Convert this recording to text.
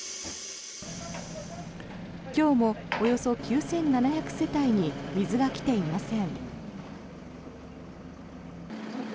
今日もおよそ９７００世帯に水が来ていません。